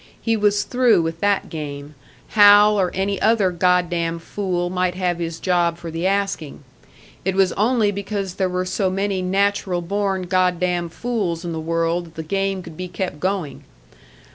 He was through with that game Hal or any other God damned fool might have his job for the asking. It was only because there were so many natural born God damned fools in the world that the game could be kept going.